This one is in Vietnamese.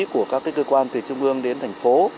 của các cơ quan từ trung ương đến thành phố